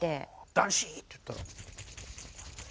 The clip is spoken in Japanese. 「男子！」って言ったら。